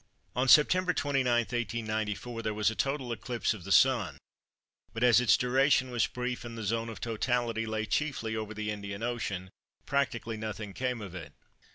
On Sept. 29, 1894, there was a total eclipse of the Sun, but as its duration was brief and the zone of totality lay chiefly over the Indian Ocean, practically nothing came of it.